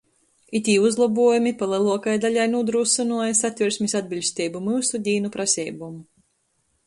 Itī uzlobuojumi pa leluokai daļai nūdrūsynuoja Satversmis atbiļsteibu myusu dīnu praseibom.